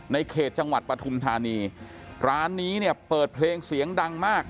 ในเขตจังหวัดปฐุมธานีร้านนี้เนี่ยเปิดเพลงเสียงดังมาก